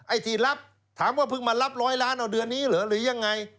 ไอ้ที่รับถามว่าเพิ่งมารับร้อยล้านเอาเดือนนี้เหรอหรือยังไง